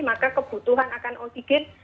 maka kebutuhan akan ojigen